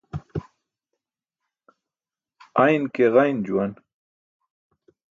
Ayn ke ġayn juwan.